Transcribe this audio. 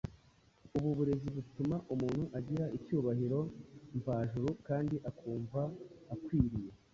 Ubu burezi butuma umuntu agira icyubahiro mvajuru kandi akumva akwiriye.